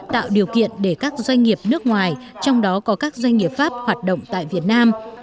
tạo điều kiện để các doanh nghiệp nước ngoài trong đó có các doanh nghiệp pháp hoạt động tại việt nam